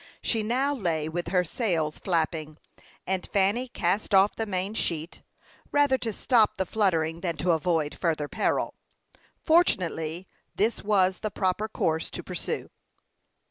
She now lay with her sails flapping, and Fanny cast off the main sheet, rather to stop the fluttering than to avoid further peril. Fortunately, this was the proper course to pursue.